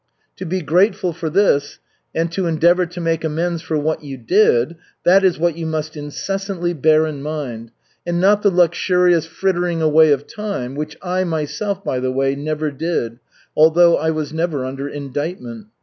To be grateful for this, and to endeavor to make amends for what you did that is what you must incessantly bear in mind, and not the luxurious frittering away of time, which I myself, by the way, never did, although I was never under indictment.